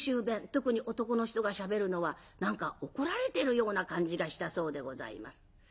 特に男の人がしゃべるのは何か怒られてるような感じがしたそうでございます。